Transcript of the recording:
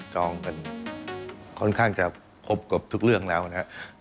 จองกันค่อนข้างจะครบเกือบทุกเรื่องแล้วนะครับ